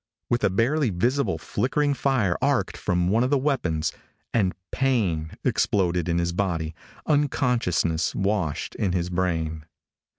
With a barely visible flickering fire arced from one of the weapons, and pain exploded in his body, unconsciousness washed into his brain.